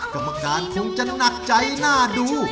กรรมการคงจะหนักใจน่าดู